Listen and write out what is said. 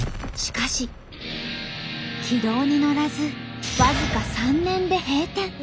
軌道に乗らず僅か３年で閉店。